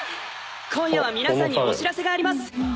今夜は皆さんにお知らせがあります。